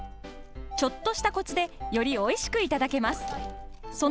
ちょっとしたコツでより、おいしくいただけます。